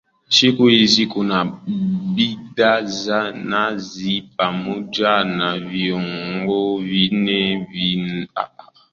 Siku hizi kuna bidhaa za nazi pamoja na viungo vingine vinavyochangia uchumi